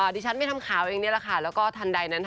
ดิฉันไปทำข่าวอย่างนี้แล้วก็ทันใดนั้น